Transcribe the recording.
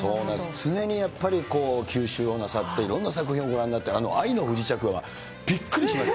常にやっぱり、吸収をなさっていろんな作品をご覧になって、あの愛の不時着はびっくりしました。